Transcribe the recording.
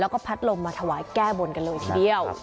แล้วก็พัดลมมาถวายแก้บนกันเลยทีเดียว